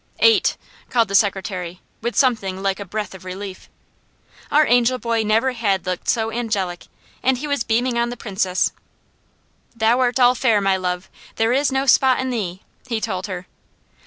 "Eight," called the secretary with something like a breath of relief. Our angel boy never had looked so angelic, and he was beaming on the Princess. "Thou art all fair, my love; there is no spot in thee," he told her.